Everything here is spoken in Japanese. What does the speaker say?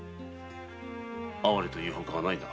哀れというほかはないな。